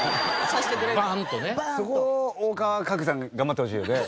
そこを大川家具さん頑張ってほしいよね。